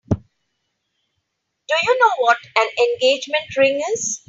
Do you know what an engagement ring is?